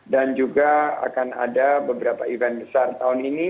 dan juga akan ada beberapa event besar tahun ini